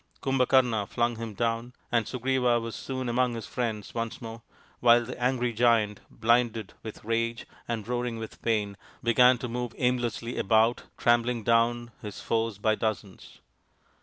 Kumbhakarna flung him down, and Sugriva was soon among his friends once more, while the angry Giant, blinded with rage and roaring with pain, began to move aimlessly about trampling down his foes by dozens.